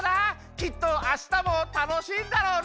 きっとあしたもたのしいんだろうな！